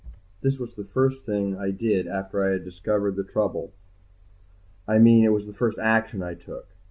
This was the first thing I did after I had discovered the trouble. I mean it was the first action I took.